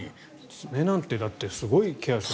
爪なんてすごいケアしないと。